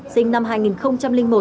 sinh năm hai nghìn một